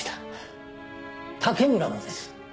竹村もです。